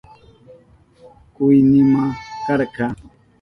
Kuynima karka.